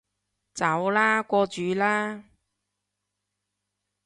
走啦，過主啦